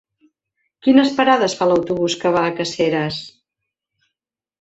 Quines parades fa l'autobús que va a Caseres?